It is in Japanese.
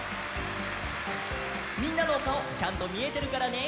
みんなのおかおちゃんとみえてるからね。